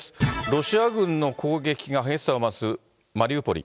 ロシア軍の攻撃が激しさを増すマリウポリ。